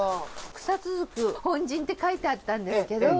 「草津宿本陣」って書いてあったんですけど。